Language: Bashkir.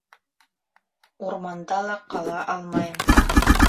Урманда ла ҡала алмайым.